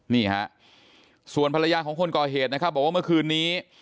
นี่ฮะส่วนภรรยาของคนก่อเหตุนะครับบอกว่าเมื่อคืนนี้